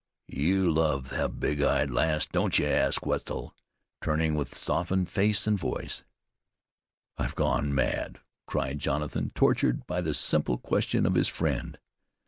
"You love the big eyed lass, don't you?" asked Wetzel, turning with softened face and voice. "I have gone mad!" cried Jonathan, tortured by the simple question of his friend.